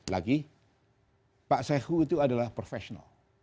lagi pak sae hoo itu adalah profesional